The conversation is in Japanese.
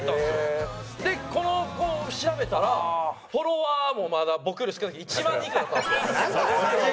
でこの子を調べたらフォロワーもまだ僕より少ない１万人以下だったんですよ。